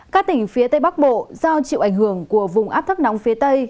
các tỉnh phía tây bắc bộ do chịu ảnh hưởng của vùng áp thấp nóng phía tây